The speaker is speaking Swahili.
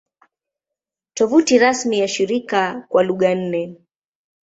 Tovuti rasmi ya shirika kwa lugha nne, mojawapo ikiwa Kiswahili